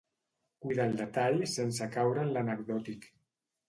Cuida el detall sense caure en l'anecdòtic.